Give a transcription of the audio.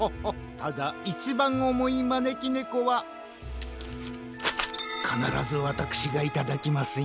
ただいちばんおもいまねきねこはかならずわたくしがいただきますよ。